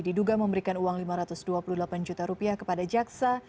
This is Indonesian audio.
diduga memberikan uang lima ratus dua puluh delapan juta rupiah kepada jaksa